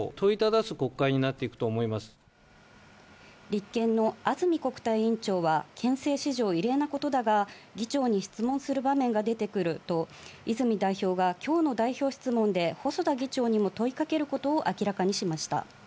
立憲の安住国対委員長は、憲政史上異例なことだが議長に質問する場面が出てくると、泉代表が今日の代表質問で細田議長にも問いかけることを明らかにしました。